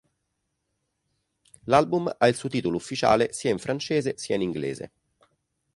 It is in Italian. L'album ha il suo titolo ufficiale sia in francese sia in inglese.